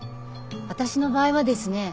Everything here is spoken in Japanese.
私の場合はですね